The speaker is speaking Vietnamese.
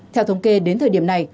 theo thống kê đến thời điểm này